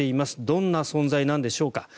どんな存在なんでしょうか。